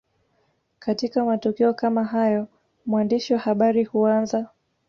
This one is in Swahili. Katika matukio kama hayo mwandishi wa habari huanza